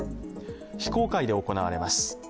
非公開で行われます。